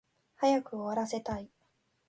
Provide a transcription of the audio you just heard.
早く終わらせたい